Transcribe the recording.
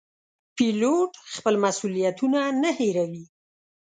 پیلوټ خپل مسوولیتونه نه هېروي.